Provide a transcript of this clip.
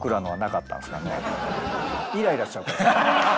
イライラしちゃうから。